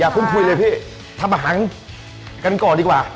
อย่าพึ่งคุยเลยพี่ทำหังกันก่อนดีกว่า